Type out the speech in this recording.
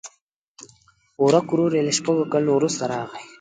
ورک ورور یې له شپږو کلونو وروسته راغی.